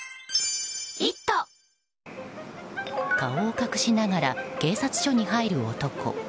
顔を隠しながら警察署に入る男。